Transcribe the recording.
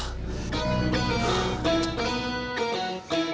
sampai jumpa lagi